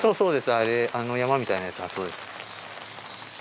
あの山みたいなやつがそうです。